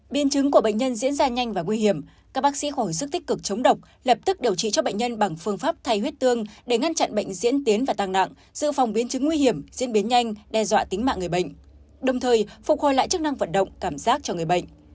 biến chứng của bệnh nhân diễn ra nhanh và nguy hiểm các bác sĩ khỏi sức tích cực chống độc lập tức điều trị cho bệnh nhân bằng phương pháp thay huyết tương để ngăn chặn bệnh diễn tiến và tăng nặng giữ phòng biến chứng nguy hiểm diễn biến nhanh đe dọa tính mạng người bệnh đồng thời phục hồi lại chức năng vận động cảm giác cho người bệnh